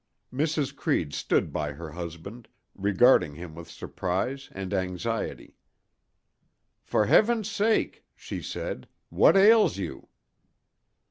Mrs. Creede stood by her husband, regarding him with surprise and anxiety. "For Heaven's sake," she said, "what ails you?"